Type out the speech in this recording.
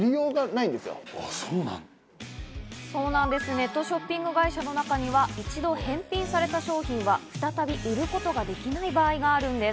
ネットショッピング会社の中には一度返品された商品は、再び売ることができない場合があるんです。